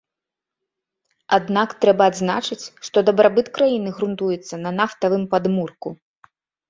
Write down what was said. Аднак трэба адзначыць, што дабрабыт краіны грунтуецца на нафтавым падмурку.